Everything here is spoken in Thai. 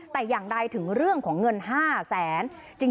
แต่อย่างใดถึงเรื่องของเงิน๕แสน